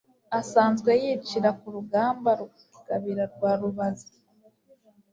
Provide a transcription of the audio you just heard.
Asanzwe yicira ku rugamba Rugabira rwa Rubazi,